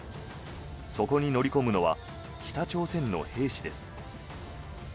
そこに乗り込むのは北朝鮮の兵士です。